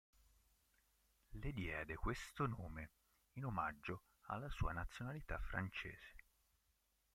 Le diede questo nome in omaggio alla sua nazionalità francese.